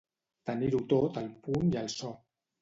Tenir-ho tot al punt i al so.